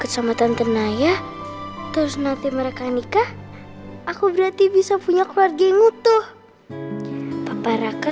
kecamatan tenayah terus nanti mereka nikah aku berarti bisa punya keluarga yang utuh papa raka